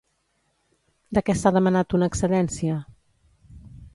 De què s'ha demanat una excedència?